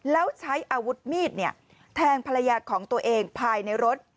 แล้วใช้อาวุธมีดแทงภรรยาของตัวเองภายในรถ